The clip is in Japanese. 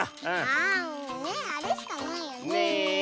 あもうねあれしかないよねえ。